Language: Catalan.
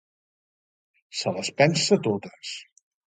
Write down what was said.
Se les pensa totes!